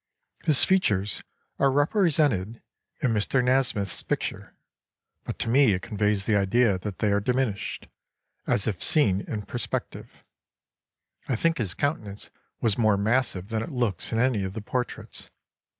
His features are represented in Mr. Nasmyth's picture, but to me it conveys the idea that they are diminished, as if seen in perspective. I think his countenance was more massive than it looks in any of the portraits.